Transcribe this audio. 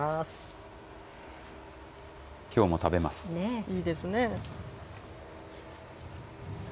きょうも食べます。